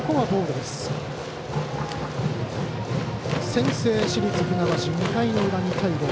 先制、市立船橋２回の裏、２対０。